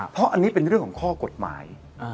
เพราะอันนี้เป็นเรื่องของข้อกฎหมาย